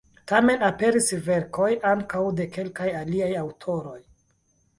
Tamen aperis verkoj ankaŭ de kelkaj aliaj aŭtoroj.